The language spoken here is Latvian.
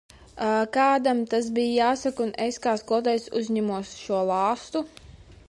Kādam tas bija jāsaka, un es, kā skolotājs, uzņēmos šo lāstu.